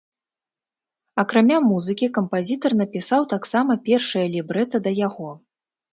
Акрамя музыкі, кампазітар напісаў таксама першае лібрэта да яго.